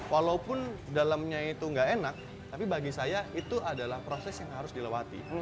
walaupun dalamnya itu nggak enak tapi bagi saya itu adalah proses yang harus dilewati